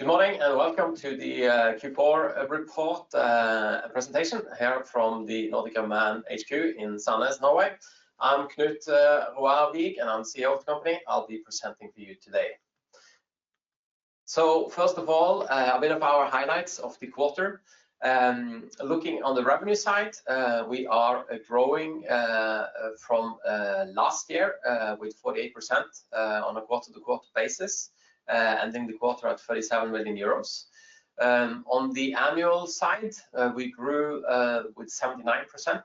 Good morning. Welcome to the Q4 report presentation here from the Nordic Unmanned HQ in Sandnes, Norway. I'm Knut Roar Wiig, and I'm CEO of the company. I'll be presenting for you today. First of all, a bit of our highlights of the quarter. Looking on the revenue side, we are growing from last year with 48% on a quarter-to-quarter basis, ending the quarter at 37 million euros. The annual side, we grew with 79%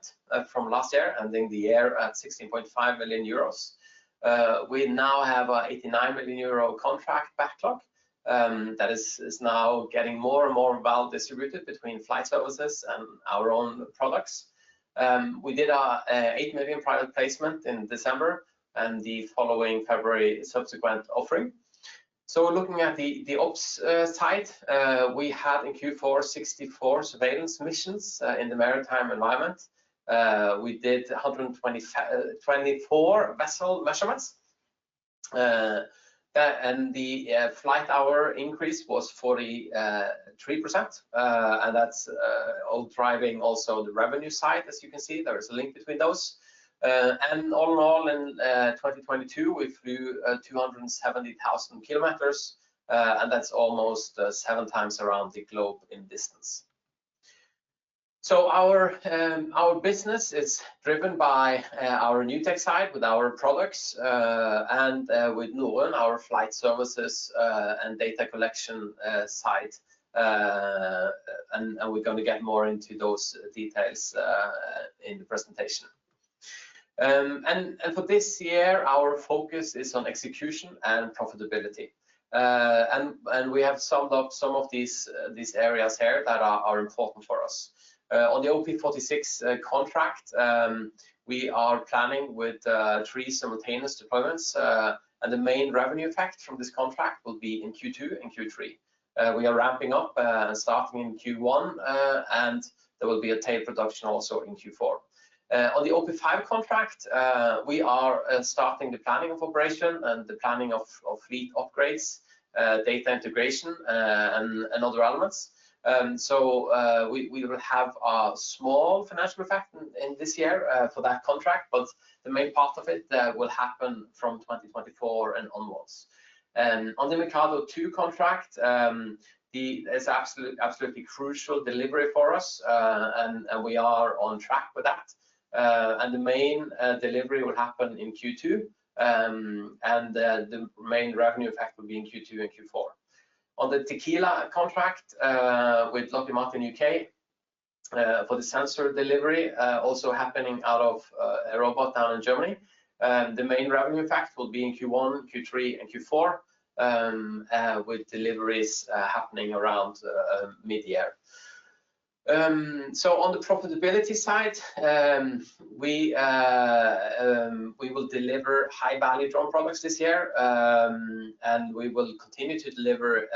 from last year, ending the year at 16.5 million euros. We now have a 89 million euro contract backlog that is now getting more and more well distributed between flight services and our own products. We did a 8 million private placement in December and the following February subsequent offering. We're looking at the ops side. We had in Q4 64 surveillance missions in the maritime environment. We did 124 vessel measurements. The flight hour increase was 43%, and that's all driving also the revenue side. As you can see, there is a link between those. All in all, in 2022, we flew 270,000 km, and that's almost 7x around the globe in distance. Our business is driven by our NewTech side with our products, and with Nordun, our flight services and data collection side. We're gonna get more into those details in the presentation. For this year, our focus is on execution and profitability. We have summed up some of these areas here that are important for us. On the OP/46 contract, we are planning with three simultaneous deployments, and the main revenue effect from this contract will be in Q2 and Q3. We are ramping up starting in Q1, and there will be a tape production also in Q4. On the OP/5 contract, we are starting the planning of operation and the planning of fleet upgrades, data integration, and other elements. We will have a small financial effect in this year for that contract, but the main part of it will happen from 2024 and onwards. On the Mikado II contract, it's absolutely crucial delivery for us, and we are on track with that. The main delivery will happen in Q2, and the main revenue effect will be in Q2 and Q4. On the TIQUILA contract with Lockheed Martin UK for the sensor delivery, also happening out of AirRobot down in Germany, the main revenue effect will be in Q1, Q3, and Q4 with deliveries happening around mid-year. On the profitability side, we will deliver high-value drone products this year, and we will continue to deliver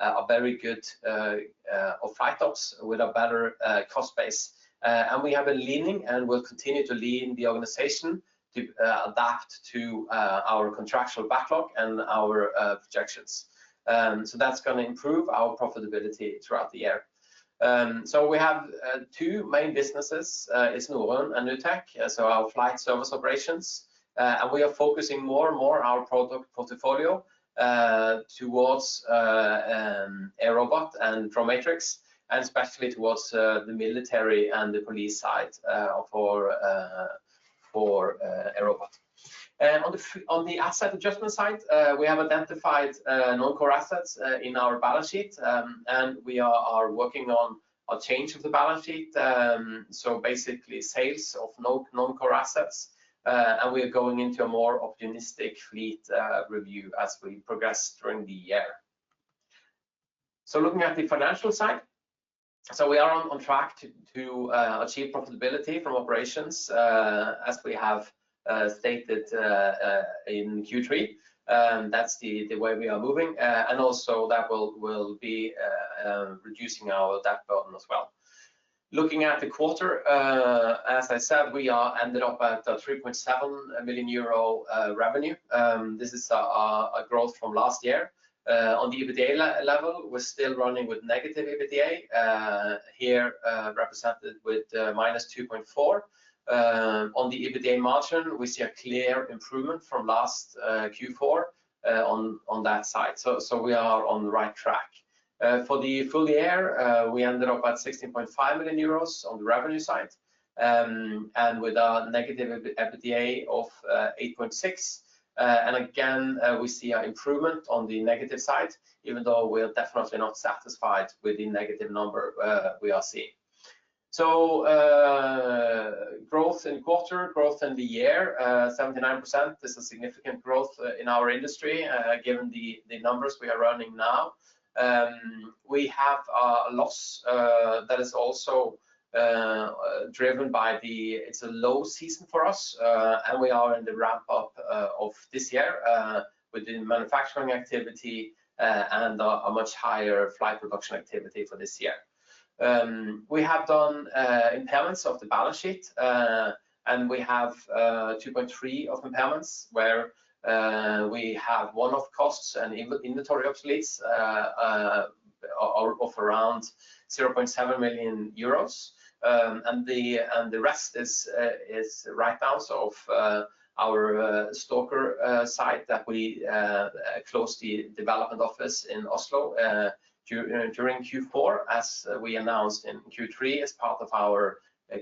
a very good OP/5 ops with a better cost base. We have been leaning, and will continue to lean the organization to adapt to our contractual backlog and our projections. That's gonna improve our profitability throughout the year. We have two main businesses, is Nordun and NewTech, so our flight service operations. We are focusing more and more our product portfolio towards AirRobot and DroneMatrix, and especially towards the military and the police side, for AirRobot. On the asset adjustment side, we have identified non-core assets in our balance sheet, and we are working on a change of the balance sheet, so basically sales of non-core assets. We are going into a more opportunistic fleet review as we progress during the year. Looking at the financial side, we are on track to achieve profitability from operations as we have stated in Q3, that's the way we are moving, and also that will be reducing our debt burden as well. Looking at the quarter, as I said, we are ended up at 3.7 million euro revenue. This is a growth from last year. On the EBITDA level, we're still running with negative EBITDA, represented with -2.4. On the EBITDA margin, we see a clear improvement from last Q4 on that side. We are on the right track. For the full year, we ended up at 16.5 million euros on the revenue side, and with a negative EBITDA of 8.6. Again, we see a improvement on the negative side, even though we're definitely not satisfied with the negative number we are seeing. Growth in quarter, growth in the year, 79%. This is significant growth in our industry, given the numbers we are running now. We have a loss that is also driven by the. It's a low season for us, and we are in the ramp-up of this year, within manufacturing activity, and a much higher flight production activity for this year. We have done impairments of the balance sheet, and we have 2.3 of impairments where we have one-off costs and inventory obsoletes of around 0.7 million euros. And the rest is write-downs of our Staaker site that we closed the development office in Oslo during Q4 as we announced in Q3 as part of our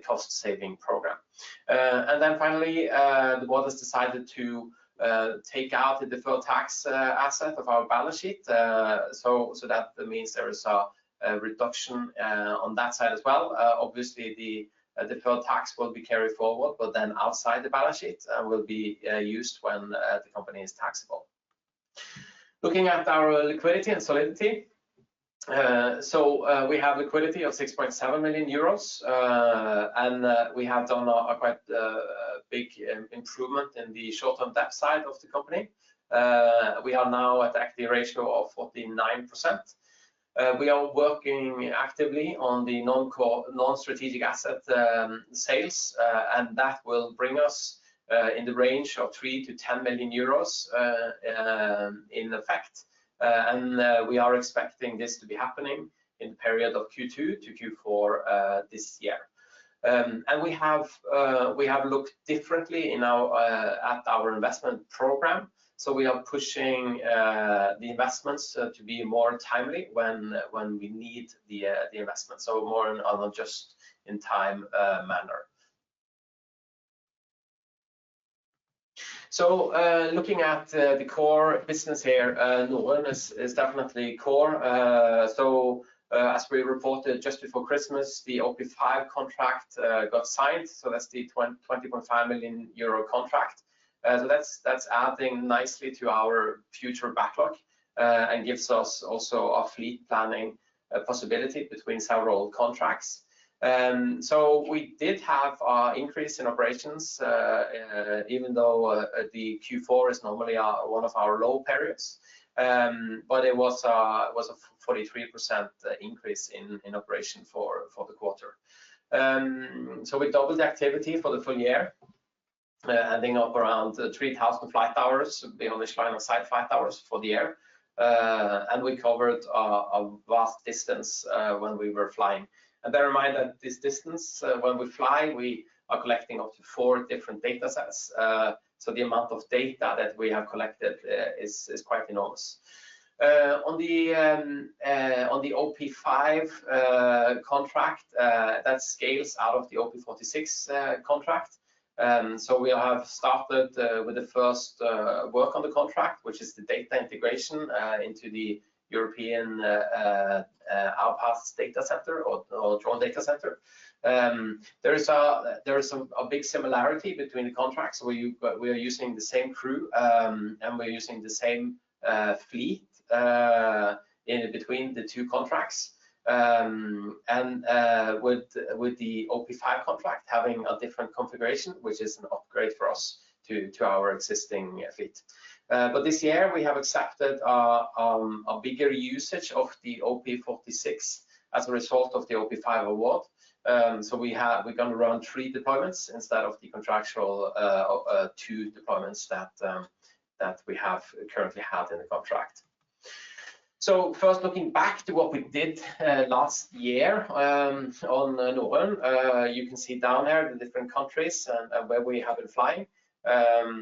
cost saving program. Finally, the board has decided to take out the deferred tax asset of our balance sheet. So that means there is a reduction on that side as well. Obviously the deferred tax will be carried forward, but then outside the balance sheet and will be used when the company is taxable. Looking at our liquidity and solidity, we have liquidity of 6.7 million euros, and we have done a quite big improvement in the short-term debt side of the company. We are now at the ratio of 49%. We are working actively on the non-core, non-strategic asset sales, and that will bring us in the range of 3 million-10 million euros in effect. We are expecting this to be happening in the period of Q2 to Q4 this year. We have looked differently in our at our investment program. We are pushing the investments to be more timely when we need the investment. More on a just-in-time manner. Looking at the core business here, Nordun is definitely core. As we reported just before Christmas, the OP/5 contract got signed, so that's the 20.5 million euro contract. That's adding nicely to our future backlog and gives us also a fleet planning possibility between several contracts. We did have a increase in operations even though the Q4 is normally our, one of our low periods. It was a 43% increase in operation for the quarter. We doubled the activity for the full year, ending up around 3,000 flight hours, being on each final site flight hours for the year. We covered a vast distance when we were flying. Bear in mind that this distance, when we fly, we are collecting up to four different data sets. The amount of data that we have collected is quite enormous. On the OP/5 contract, that scales out of the OP/46 contract. We have started with the first work on the contract, which is the data integration into the European RPAS data centre or drone data centre. There is a big similarity between the contracts. We are using the same crew, and we're using the same fleet in between the two contracts. With the OP/5 contract having a different configuration, which is an upgrade for us to our existing fleet. This year we have accepted a bigger usage of the OP/46 as a result of the OP/5 award. We have, we're gonna run three deployments instead of the contractual two deployments that we have currently have in the contract. First, looking back to what we did last year on Nordun, you can see down there the different countries and where we have been flying. For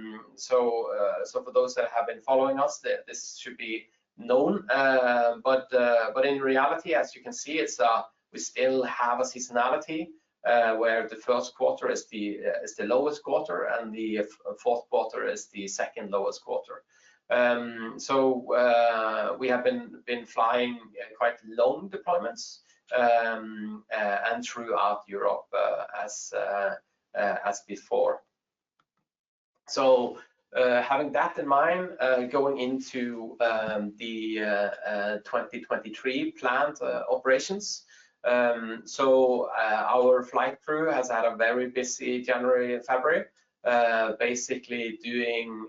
those that have been following us, this should be known. In reality, as you can see, it's, we still have a seasonality, where the first quarter is the lowest quarter and the fourth quarter is the second lowest quarter. We have been flying quite long deployments throughout Europe, as before. Having that in mind, going into the 2023 planned operations. Our flight crew has had a very busy January and February, basically doing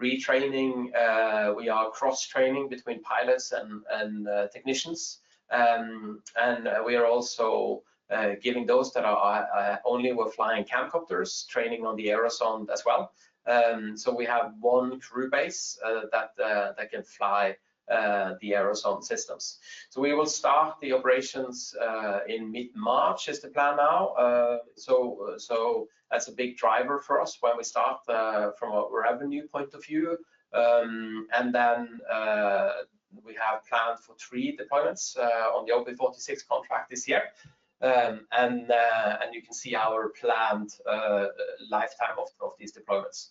retraining. We are cross-training between pilots and technicians. We are also giving those that are only flying CAMCOPTERs training on the Aerosonde as well. We have one crew base that can fly the Aerosonde systems. We will start the operations in mid-March is the plan now. That's a big driver for us when we start from a revenue point of view. And then we have planned for three deployments on the OP/46 contract this year. And you can see our planned lifetime of these deployments.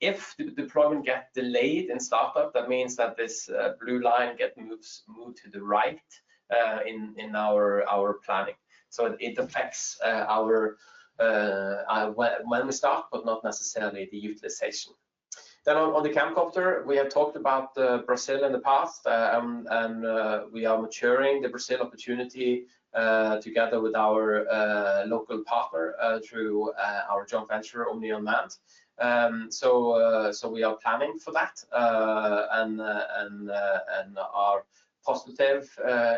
If the deployment get delayed in startup, that means that this blue line get moved to the right in our planning. It affects our when we start, but not necessarily the utilization. Then on the CAMCOPTER, we have talked about Brazil in the past, and we are maturing the Brazil opportunity together with our local partner through our joint venture, Omni On Land. We are planning for that. Positive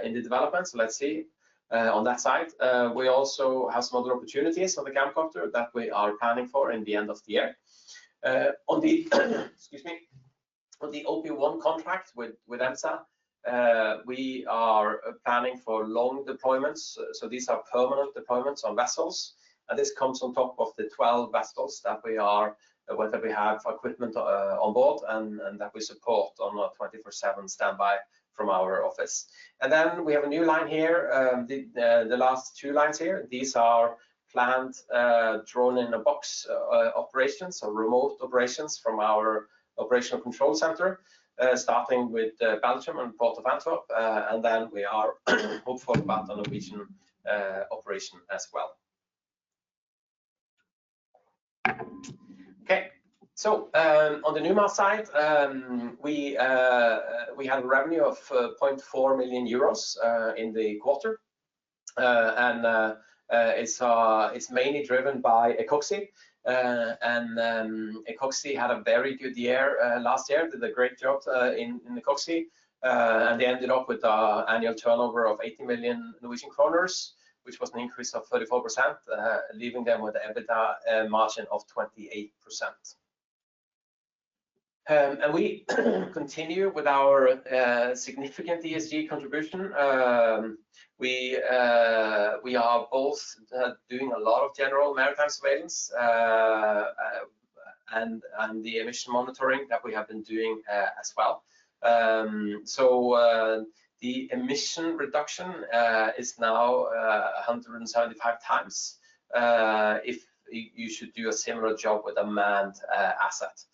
in the developments. Let's see on that side. We also have some other opportunities on the CAMCOPTER that we are planning for in the end of the year. On the OP1 contract with EMSA, we are planning for long deployments. These are permanent deployments on vessels, and this comes on top of the 12 vessels that we have equipment on board and that we support on a 24/7 standby from our office. We have a new line here, the last two lines here, these are planned drone-in-a-box operations, so remote operations from our operational control center, starting with Belgium and Port of Antwerp. We are hopeful about the Norwegian operation as well. On the NUMar side, we had a revenue of 0.4 million euros in the quarter. It's mainly driven by Ecoxy, and Ecoxy had a very good year last year. Did a great job in Ecoxy, and they ended up with an annual turnover of 80 million Norwegian kroner, which was an increase of 34%, leaving them with EBITDA margin of 28%. We continue with our significant ESG contribution. We are both doing a lot of general maritime surveillance and the emission monitoring that we have been doing as well. tion is now 175x if you should do a similar job with a manned asset.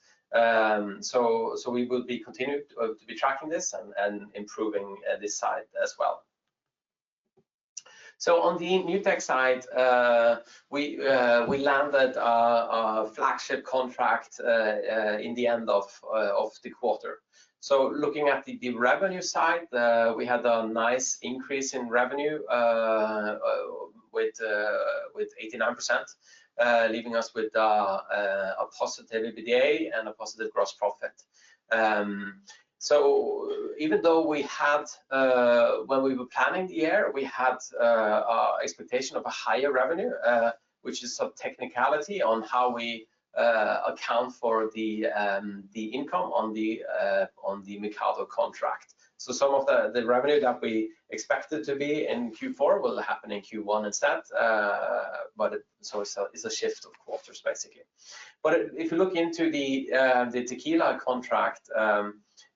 We will be continued to be tracking this and improving this side as well. On the NewTech side, we landed a flagship contract in the end of the quarter. Looking at the revenue side, we had a nice increase in revenue with 89%, leaving us with a positive EBITDA and a positive gross profit. Even though we had, when we were planning the year, we had a expectation of a higher revenue, which is some technicality on how we account for the income on the Mikado contract. Some of the revenue that we expected to be in Q4 will happen in Q1 instead, it's a shift of quarters, basically. If you look into the TIQUILA contract,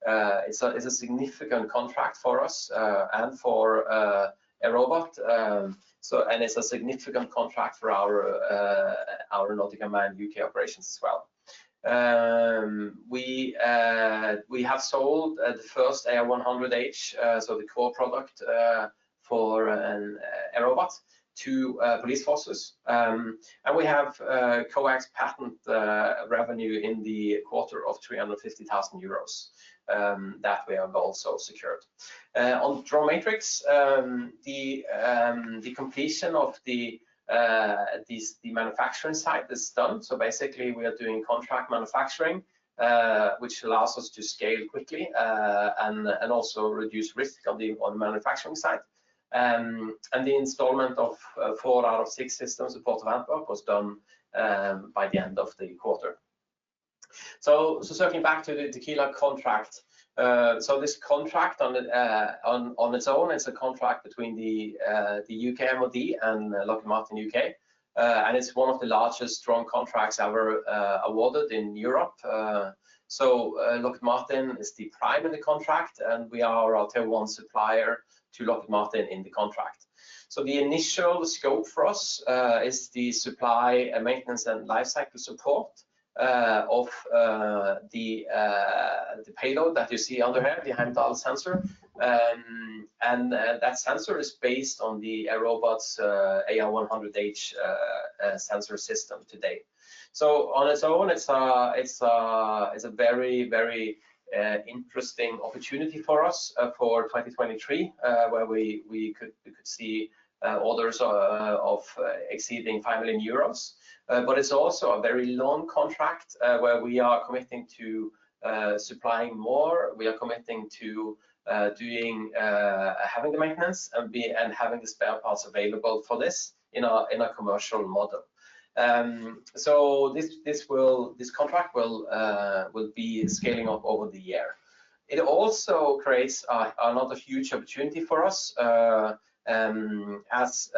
it's a significant contract for us and for AirRobot. It's a significant contract for our Nordic Unmanned UK operations as well. We have sold the first AR100-H, so the core product, for an AirRobot to police forces. We have a coax patent revenue in the quarter of 350,000 euros that we have also secured. On DroneMatrix, the completion of the manufacturing side is done. Basically, we are doing contract manufacturing, which allows us to scale quickly, and also reduce risk on the manufacturing side. The installment of four out of six systems at Port of Antwerp was done by the end of the quarter. Circling back to the TIQUILA contract, this contract on its own is a contract between the UK MOD and Lockheed Martin UK. It's one of the largest drone contracts ever awarded in Europe. Lockheed Martin is the prime of the contract. We are a Tier 1 supplier to Lockheed Martin in the contract. The initial scope for us is the supply and maintenance and lifecycle support of the payload that you see under here behind the other sensor. That sensor is based on the AirRobot's AR100-H sensor system today. On its own, it's a very, very interesting opportunity for us for 2023, where we could see orders of exceeding 5 million euros. It's also a very long contract where we are committing to supplying more. to doing having the maintenance and having the spare parts available for this in a commercial model. So this contract will be scaling up over the year. It also creates another huge opportunity for us as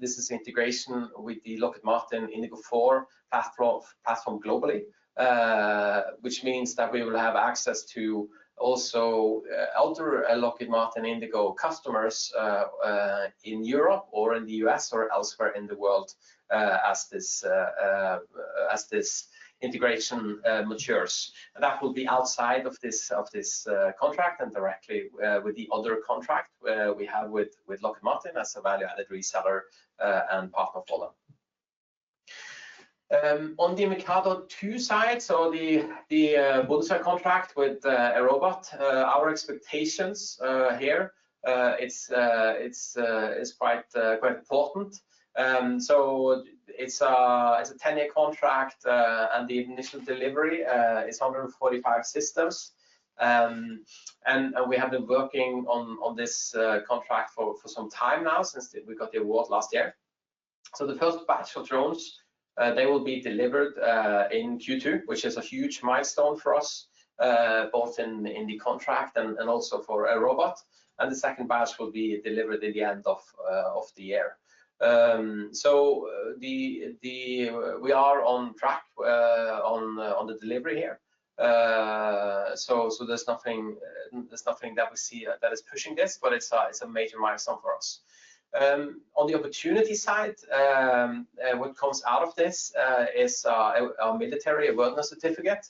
this is integration with the Lockheed Martin Indago 4 platform globally, which means that we will have access to also other Lockheed Martin Indago customers in Europe or in the U.S. or elsewhere in the world as this integration matures. That will be outside of this contract and directly with the other contract we have with Lockheed Martin as a value-added reseller and partner for them. On the Mikado II side, the Bundeswehr contract with AirRobot, our expectations, it's quite important. It's a 10-year contract, and the initial delivery is 145 systems. We have been working on this contract for some time now since we got the award last year. The first batch of drones, they will be delivered in Q2, which is a huge milestone for us, both in the contract and also for AirRobot. The second batch will be delivered at the end of the year. We are on track on the delivery here. There's nothing, there's nothing that we see that is pushing this, but it's a major milestone for us. On the opportunity side, what comes out of this is a Military Airworthiness Certificate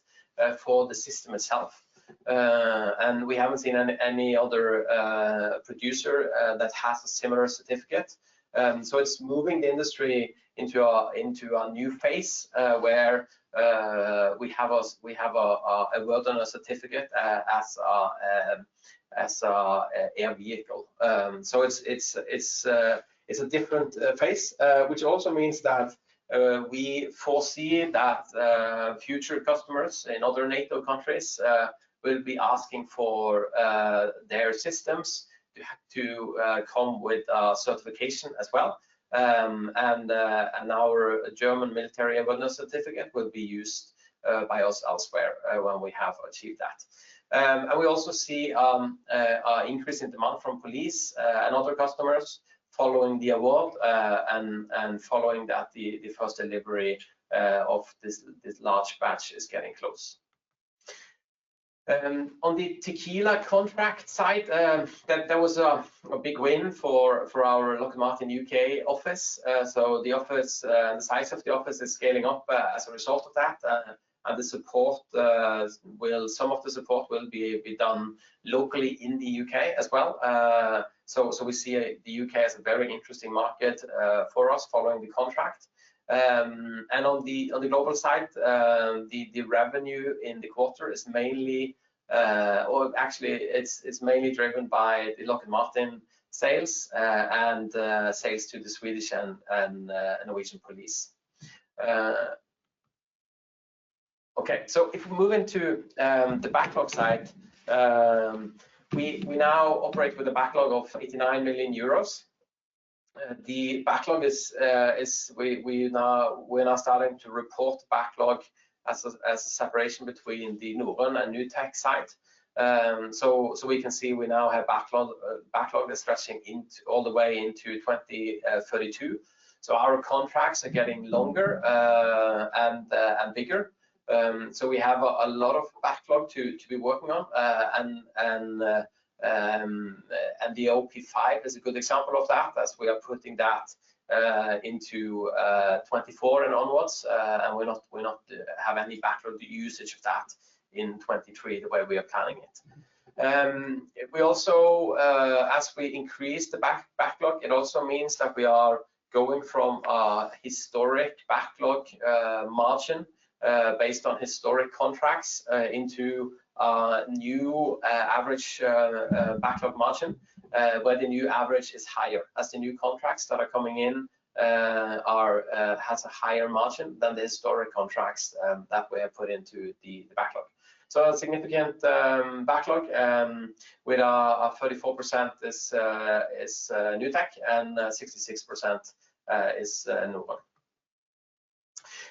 for the system itself. We haven't seen any other producer that has a similar certificate. It's moving the industry into a new phase where we have a Military Airworthiness Certificate as a air vehicle. It's a different phase which also means that we foresee that future customers in other NATO countries will be asking for their systems to come with certification as well. Our German Military Certificate of Airworthiness will be used by us elsewhere when we have achieved that. We also see a increase in demand from police and other customers following the award, and following that, the first delivery of this large batch is getting close. On the TIQUILA contract side, that was a big win for our Lockheed Martin UK office. The office, the size of the office is scaling up as a result of that. Some of the support will be done locally in the U.K. as well. We see the U.K. as a very interesting market for us following the contract. On the, on the global side, the revenue in the quarter is mainly, or actually, it's mainly driven by the Lockheed Martin sales, and sales to the Swedish and Norwegian police. Okay. If we move into the backlog side, we now operate with a backlog of 89 million euros. The backlog is we're now starting to report backlog as a separation between the Novo and NewTech side. We can see we now have backlog is stretching into all the way into 2032. Our contracts are getting longer, and bigger. We have a lot of backlog to be working on. The OP/5 is a good example of that, as we are putting that into 2024 and onwards, and we're not have any backlog usage of that in 2023 the way we are planning it. We also, as we increase the backlog, it also means that we are going from a historic backlog margin based on historic contracts into a new average backlog margin, where the new average is higher, as the new contracts that are coming in are has a higher margin than the historic contracts that we have put into the backlog. A significant backlog with 34% is NewTech, and 66% is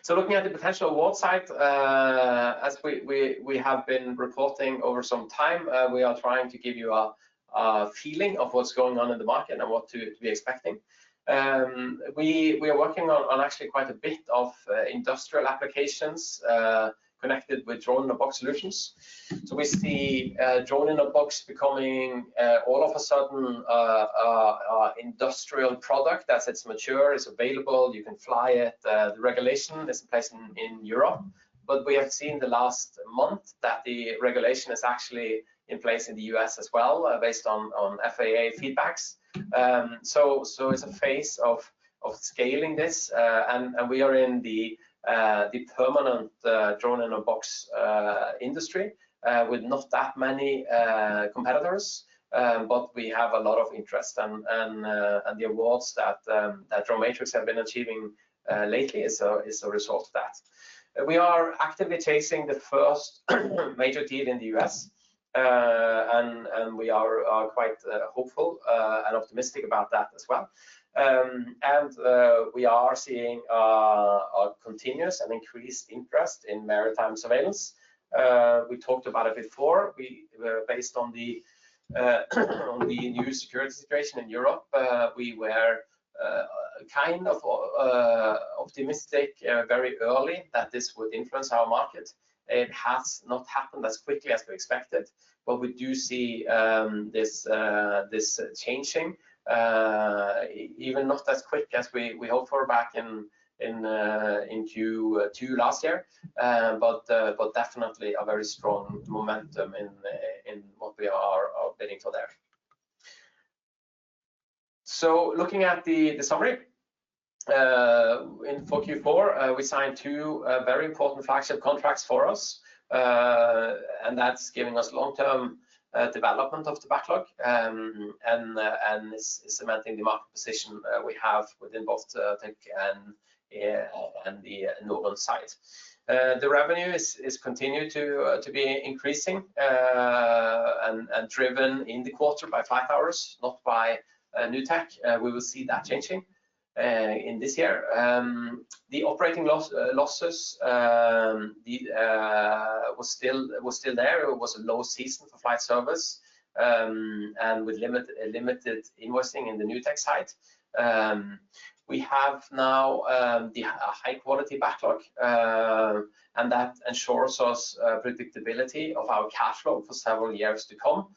Novo. Looking at the potential award side, as we have been reporting over some time, we are trying to give you a feeling of what's going on in the market and what to be expecting. We are working on actually quite a bit of industrial applications connected with Drone-in-a-Box solutions. We see drone-in-a-box becoming all of a sudden a industrial product as it's mature, it's available, you can fly it. The regulation is in place in Europe, but we have seen the last month that the regulation is actually in place in the U.S. as well, based on FAA feedbacks. It's a phase of scaling this, and we are in the permanent drone-in-a-box industry with not that many competitors, but we have a lot of interest and the awards that DroneMatrix have been achieving lately is a result of that. We are actively chasing the first major deal in the U.S., and we are quite hopeful and optimistic about that as well. We are seeing a continuous and increased interest in maritime surveillance. We talked about it before. We were based on the new security situation in Europe. We were kind of optimistic very early that this would influence our market. It has not happened as quickly as we expected, but we do see this changing, even not as quick as we hoped for back in Q2 last year. Definitely a very strong momentum in what we are bidding for there. Looking at the summary in for Q4, we signed two very important flagship contracts for us. That's giving us long-term development of the backlog and is cementing the market position we have within both the tech and the northern side. The revenue is continued to be increasing and driven in the quarter by flight hours, not by new tech. We will see that changing in this year. The operating losses was still there. It was a low season for flight service, and with limited investing in the new tech side. We have now a high-quality backlog, and that ensures us predictability of our cash flow for several years to come.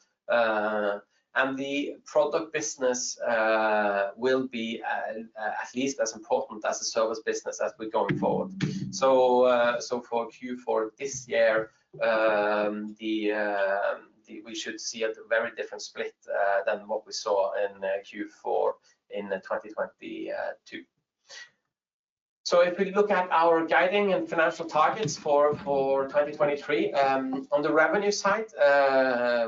The product business will be at least as important as the service business as we're going forward. For Q4 this year, we should see a very different split than what we saw in Q4 in 2022. If we look at our guiding and financial targets for 2023, on the revenue side,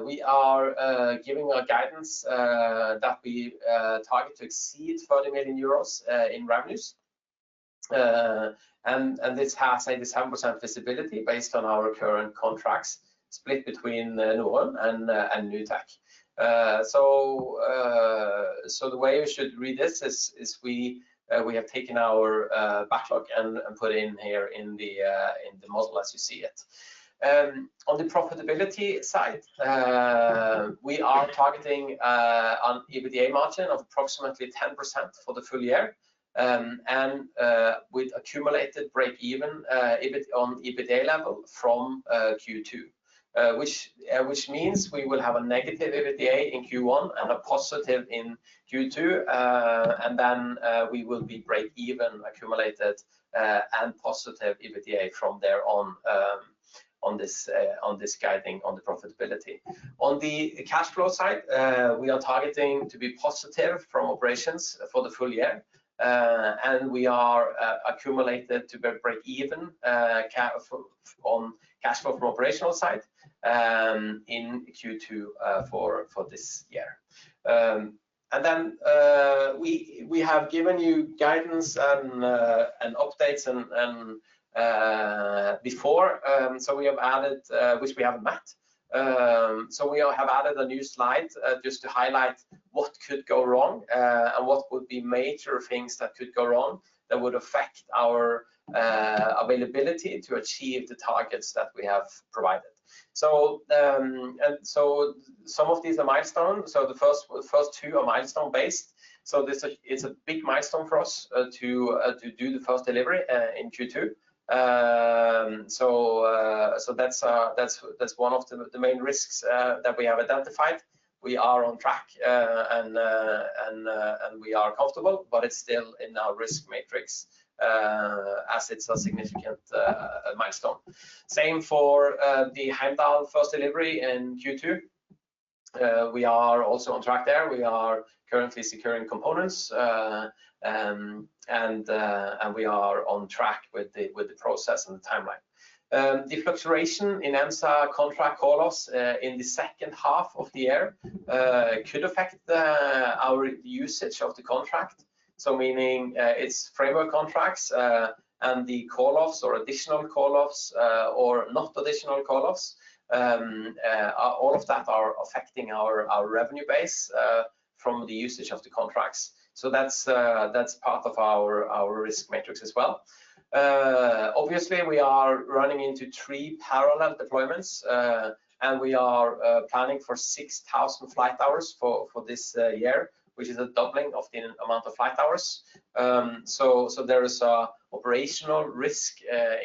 we are giving a guidance that we target to exceed 30 million euros in revenues. This has 100% visibility based on our current contracts split between the northern and new tech. The way we should read this is, we have taken our backlog and put in here in the model as you see it. On the profitability side, we are targeting an EBITDA margin of approximately 10% for the full year, and with accumulated break even on EBITDA level from Q2. Which means we will have a negative EBITDA in Q1 and a positive in Q2, and then we will be break even accumulated and positive EBITDA from there on this guiding on the profitability. On the cash flow side, we are targeting to be positive from operations for the full year, and we are accumulated to be break even on cash flow from operational side in Q2 for this year. We have given you guidance and updates before, so we have added which we haven't met. We all have added a new slide just to highlight what could go wrong and what would be major things that could go wrong that would affect our availability to achieve the targets that we have provided. Some of these are milestones. The first two are milestone-based. This is a big milestone for us to do the first delivery in Q2. So, so that's one of the main risks, that we have identified. We are on track, and we are comfortable, but it's still in our risk matrix, as it's a significant milestone. Same for, the HEIMDALL first delivery in Q2. We are also on track there. We are currently securing components and and we are on track with the, with the process and the timeline. Um, the fluctuation in EMSA contract call-offs, in the second half of the year, could affect the-- our usage of the contract. So meaning, it's framework contracts, and the call-offs or additional call-offs, or not additional call-offs, all of that are affecting our, our revenue base, from the usage of the contracts. That's, that's part of our risk matrix as well. Obviously, we are running into three parallel deployments, and we are planning for 6,000 flight hours for this year, which is a doubling of the amount of flight hours. So there is a operational risk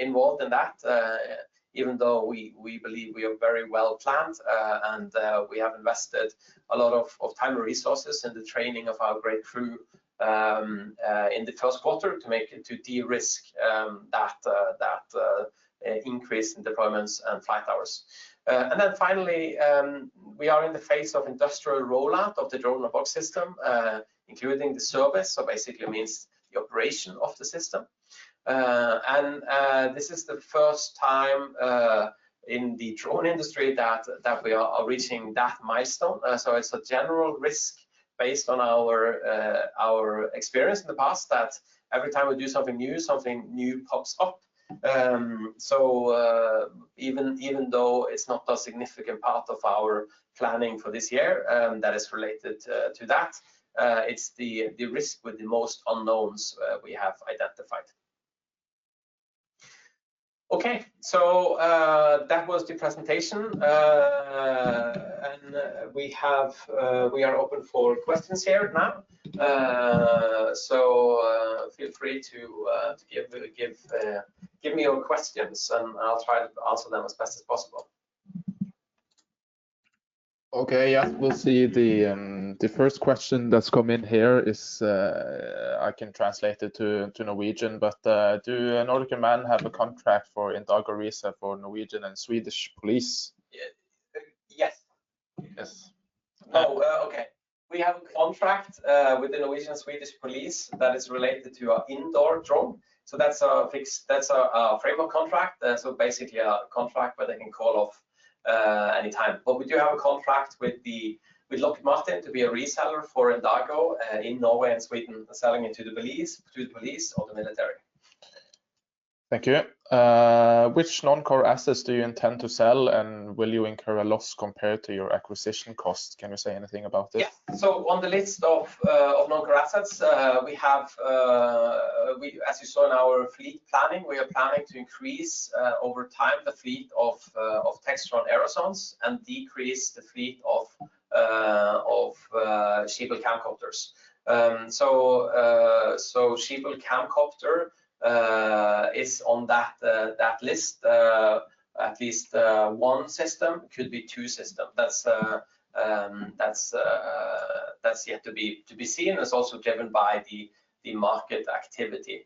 involved in that, even though we believe we are very well planned, and we have invested a lot of time and resources in the training of our great crew, in the first quarter to make it to de-risk that increase in deployments and flight hours. Finally, we are in the phase of industrial rollout of the drone-in-a-box system, including the service. Basically means the operation of the system. This is the first time in the drone industry that we are reaching that milestone. It's a general risk based on our experience in the past that every time we do something new, something new pops up. Even though it's not a significant part of our planning for this year, that is related to that, it's the risk with the most unknowns we have identified. Okay. That was the presentation. We have, we are open for questions here now. Feel free to give me your questions, and I'll try to answer them as best as possible. Okay, yeah. We'll see the first question that's come in here. I can translate it to Norwegian. Do Nordic Unmanned have a contract for Indago for Norwegian and Swedish police? Yes. Yes. No. Okay. We have a contract with the Norwegian-Swedish police that is related to our indoor drone. That's our framework contract. Basically our contract where they can call off anytime. We do have a contract with Lockheed Martin to be a reseller for Indago in Norway and Sweden, selling it to the police or the military. Thank you. Which non-core assets do you intend to sell, and will you incur a loss compared to your acquisition costs? Can you say anything about this? On the list of non-core assets, we have as you saw in our fleet planning, we are planning to increase over time the fleet of Textron Aerosondes and decrease the fleet of Schiebel CAMCOPTERs. Schiebel CAMCOPTER is on that list. At least one system, could be two system. That's yet to be seen. That's also driven by the market activity.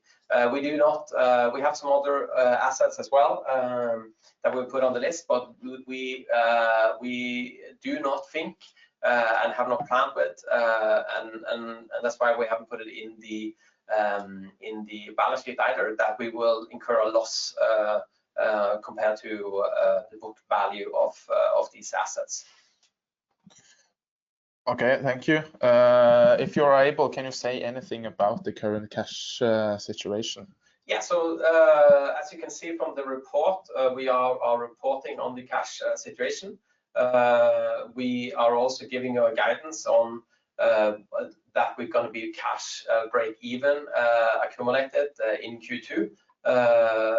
We have some other assets as well, that we've put on the list, but we do not think and have not planned with, and that's why we haven't put it in the balance sheet either, that we will incur a loss compared to the booked value of these assets. Okay. Thank you. If you're able, can you say anything about the current cash, situation? As you can see from the report, we are reporting on the cash situation. We are also giving our guidance on that we're gonna be cash breakeven accumulated in Q2.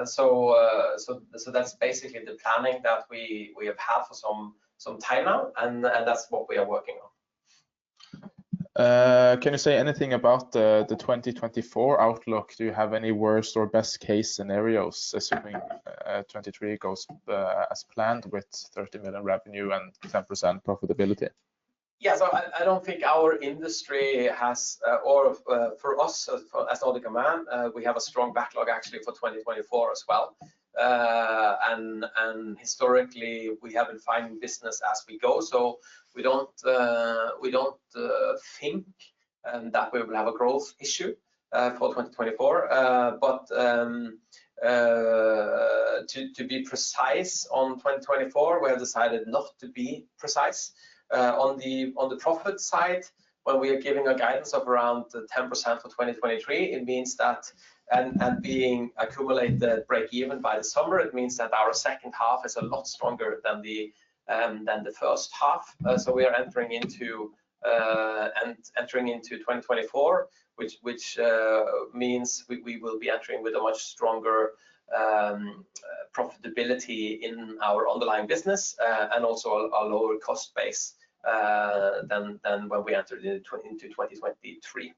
So that's basically the planning that we have had for some time now, and that's what we are working on. Can you say anything about the 2024 outlook? Do you have any worst or best case scenarios, assuming 2023 goes as planned with 30 million revenue and 10% profitability? I don't think our industry has, or for us, for Nordic Unmanned, we have a strong backlog actually for 2024 as well. Historically, we have been finding business as we go, so we don't, we don't think that we will have a growth issue for 2024. To be precise on 2024, we have decided not to be precise. On the profit side, when we are giving a guidance of around the 10% for 2023, it means that and being accumulated breakeven by the summer, it means that our second half is a lot stronger than the first half. We are entering into 2024, which means we will be entering with a much stronger profitability in our underlying business, and also a lower cost base, than when we entered into 2023.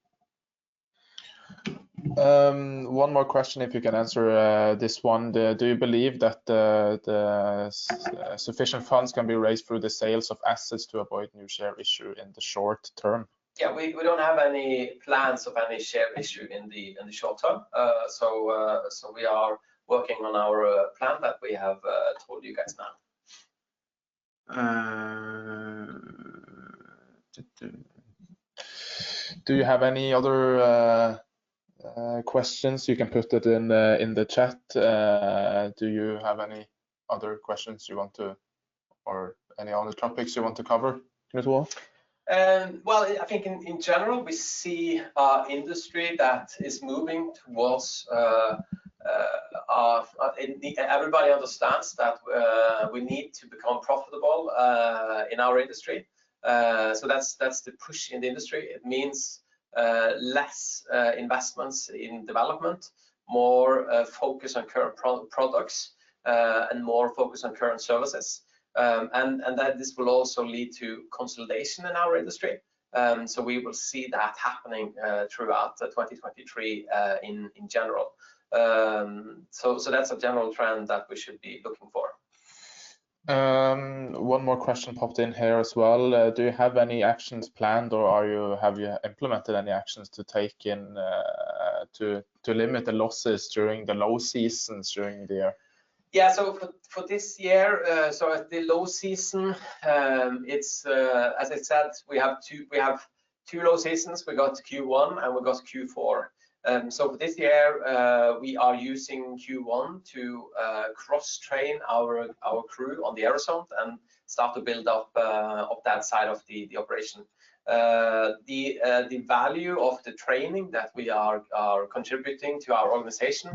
One more question if you can answer this one. Do you believe that the sufficient funds can be raised through the sales of assets to avoid new share issue in the short term? Yeah. We don't have any plans of any share issue in the short term. We are working on our plan that we have told you guys now. Do you have any other questions? You can put it in the chat. Do you have any other questions you want to, or any other topics you want to cover as well? Well, I think in general, we see a industry that is moving towards everybody understands that we need to become profitable in our industry. That's the push in the industry. It means less investments in development, more focus on current products, and more focus on current services. That this will also lead to consolidation in our industry. We will see that happening throughout 2023 in general. That's a general trend that we should be looking for. One more question popped in here as well. Do you have any actions planned or have you implemented any actions to take in, to limit the losses during the low seasons during the year? Yeah. For this year, at the low season, it's, as I said, we have two low seasons. We got Q1, and we've got Q4. For this year, we are using Q1 to cross-train our crew on the Aerosonde and start to build up that side of the operation. The value of the training that we are contributing to our organization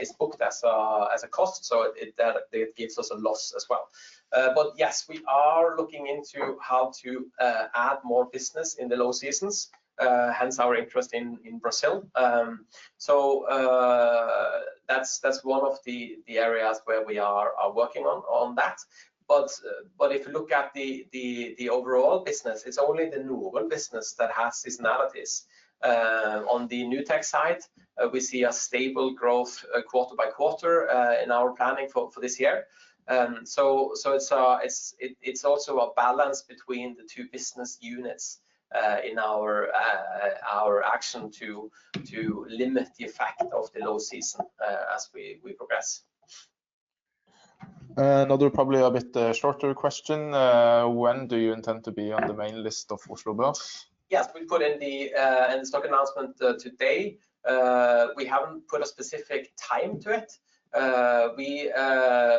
is booked as a cost, so it gives us a loss as well. Yes, we are looking into how to add more business in the low seasons, hence our interest in Brazil. That's one of the areas where we are working on that. If you look at the overall business, it's only the newborn business that has seasonalities. On the AirRobot side, we see a stable growth, quarter by quarter, in our planning for this year. It's also a balance between the two business units, in our action to limit the effect of the low season, as we progress. Another probably a bit, shorter question. When do you intend to be on the main list of Oslo Børs? Yes, we put in the in the stock announcement today. We haven't put a specific time to it.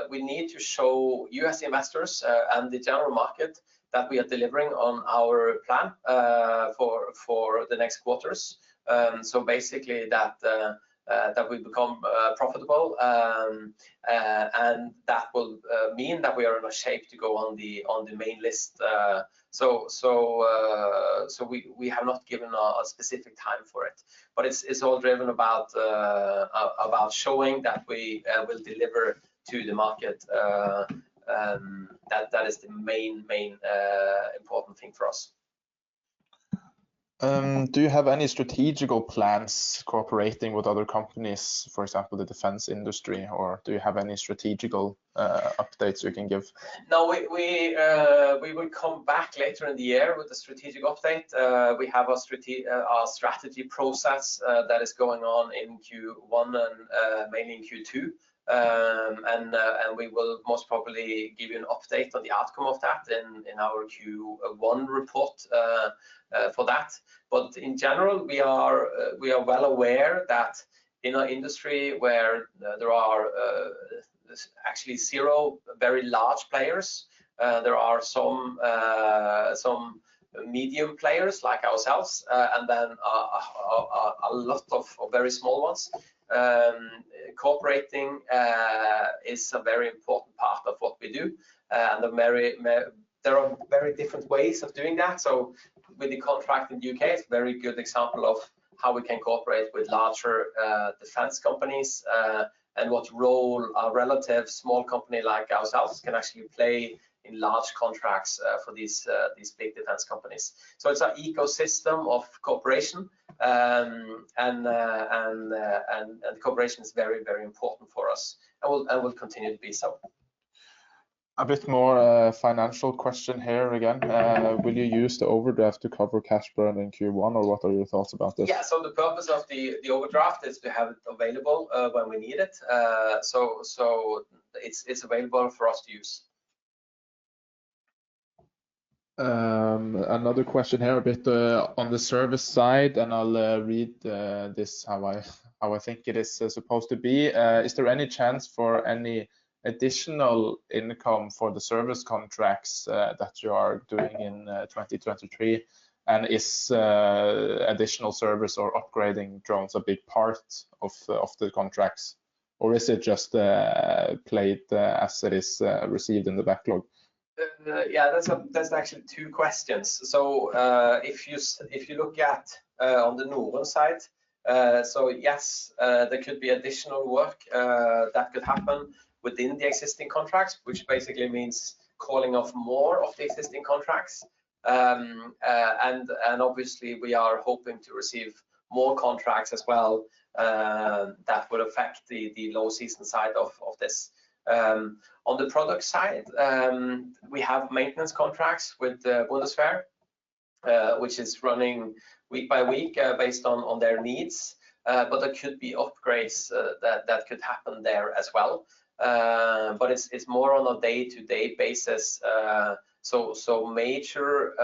We need to show U.S. investors and the general market that we are delivering on our plan for the next quarters. Basically that we become profitable. That will mean that we are in a shape to go on the main list. We have not given a specific time for it, but it's all driven about showing that we will deliver to the market that is the main important thing for us. Do you have any strategic plans cooperating with other companies, for example, the defense industry, or do you have any strategic updates you can give? No, we will come back later in the year with a strategic update. We have a strategy process that is going on in Q1 and mainly in Q2. We will most probably give you an update on the outcome of that in our Q1 report for that. In general, we are well aware that in an industry where there are actually zero very large players, there are some medium players like ourselves, and then a lot of very small ones. Cooperating is a very important part of what we do. There are very different ways of doing that. With the contract in the U.K., it's very good example of how we can cooperate with larger defense companies and what role a relative small company like ourselves can actually play in large contracts for these big defense companies. It's an ecosystem of cooperation. And cooperation is very, very important for us and will continue to be so. A bit more, financial question here again. Will you use the overdraft to cover cash burn in Q1, or what are your thoughts about this? Yeah. The purpose of the overdraft is to have it available when we need it. It's available for us to use. Another question here, a bit on the service side, and I'll read this how I, how I think it is supposed to be. Is there any chance for any additional income for the service contracts that you are doing in 2023? Is additional service or upgrading drones a big part of the contracts, or is it just played as it is received in the backlog? Yeah, that's actually two questions. If you look at on the Nordun side, yes, there could be additional work that could happen within the existing contracts, which basically means calling off more of the existing contracts. Obviously, we are hoping to receive more contracts as well that will affect the low season side of this. On the product side, we have maintenance contracts with Bundeswehr, which is running week by week based on their needs. There could be upgrades that could happen there as well. It's more on a day-to-day basis. Major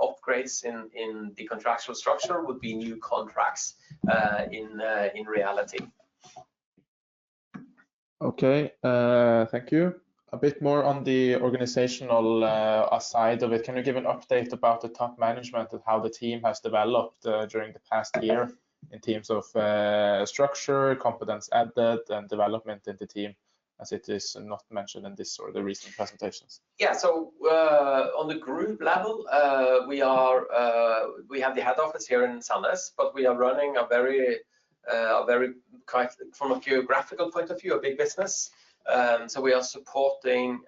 upgrades in the contractual structure would be new contracts in reality. Thank you. A bit more on the organizational side of it. Can you give an update about the top management of how the team has developed during the past year in terms of structure, competence added and development in the team as it is not mentioned in this or the recent presentations? Yeah. On the group level, we are, we have the head office here in Sandnes, but we are running a very from a geographical point of view, a big business. We are supporting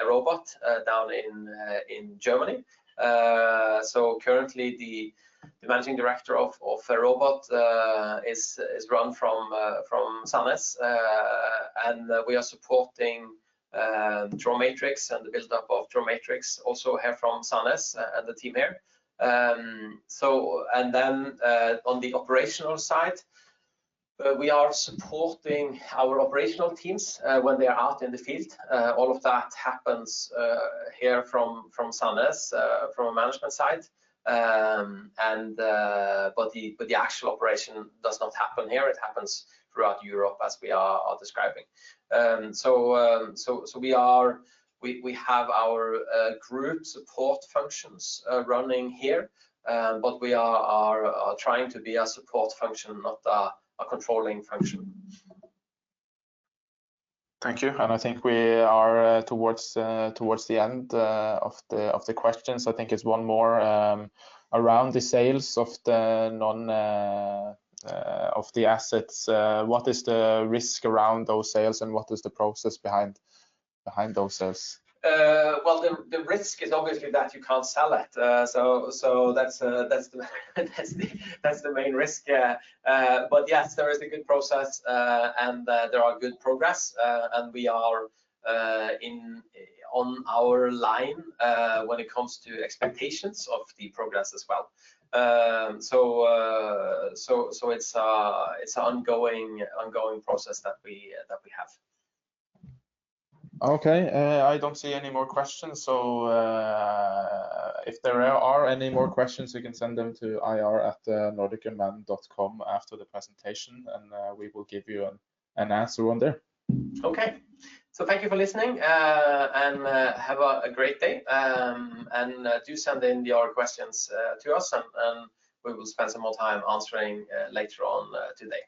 AirRobot down in Germany. Currently the managing director of AirRobot is run from Sandnes. We are supporting DroneMatrix and the buildup of DroneMatrix also here from Sandnes and the team here. On the operational side, we are supporting our operational teams when they are out in the field. All of that happens here from Sandnes, from a management side. The actual operation does not happen here. It happens throughout Europe as we are describing. We have our group support functions running here. But we are trying to be a support function, not a controlling function. Thank you. I think we are towards the end of the questions. I think it's one more, around the sales of the non of the assets. What is the risk around those sales, and what is the process behind those sales? Well, the risk is obviously that you can't sell it. That's the main risk, yeah. Yes, there is a good process, and there are good progress, and we are on our line, when it comes to expectations of the progress as well. It's an ongoing process that we have. Okay. I don't see any more questions. If there are any more questions, you can send them to ir@nordicunmanned.com after the presentation, and we will give you an answer on there. Okay. Thank you for listening, and have a great day. Do send in your questions to us, and we will spend some more time answering later on today.